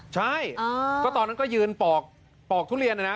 ใช่ก็ตอนนั้นก็ยืนปอกทุเรียนนะนะ